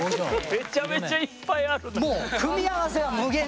めちゃめちゃいっぱいあるな。